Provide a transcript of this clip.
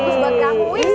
bagus buat kamu wiss